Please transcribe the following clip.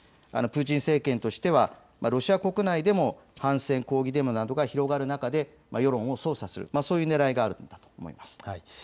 プーチン政権としてはロシア国内でも反戦抗議デモなどが広がる中で世論を操作する、そういうねらいがあると見られます。